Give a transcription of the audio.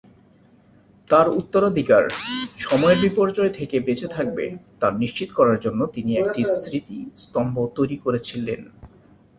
তাঁর উত্তরাধিকার সময়ের বিপর্যয় থেকে বেঁচে থাকবে তা নিশ্চিত করার জন্য তিনি একটি স্মৃতিস্তম্ভ তৈরি করেছিলেন।